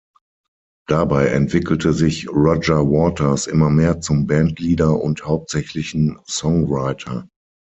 Dabei entwickelte sich Roger Waters immer mehr zum Bandleader und hauptsächlichen Songwriter.